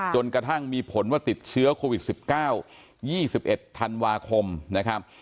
จนกระทั่งมีผลว่าติดเชื้อโควิด๑๙๒๑ธันวาคมนะครับ